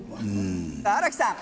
新木さん